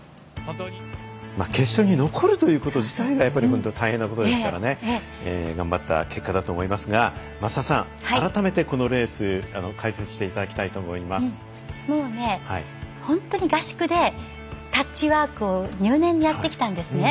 決勝に残るということ自体がやっぱり大変なことですからね。頑張った結果だと思いますが増田さん、改めてこのレース解説していただきたいともうね、本当に合宿でタッチワークを入念にやってきたんですね。